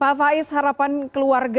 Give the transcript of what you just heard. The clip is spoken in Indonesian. pak faiz harapan keluarga